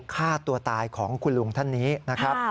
ฆ่าตัวตายของคุณลุงท่านนี้นะครับ